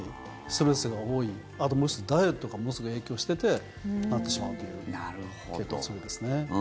ストレスが多いあともう１つ、ダイエットがものすごく影響しててなってしまうという傾向が強いですね。